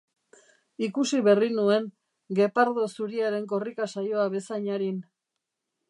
Ikusi berri nuen gepardo zuriaren korrika-saioa bezain arin.